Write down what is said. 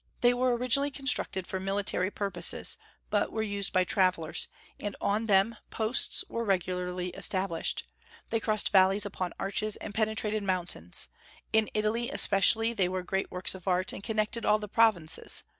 They were originally constructed for military purposes, but were used by travellers, and on them posts were regularly established; they crossed valleys upon arches, and penetrated mountains; in Italy, especially, they were great works of art, and connected all the provinces.